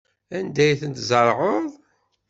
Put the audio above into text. Anda ay tent-tzerɛeḍ?